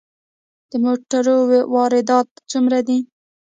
د موټرو واردات څومره دي؟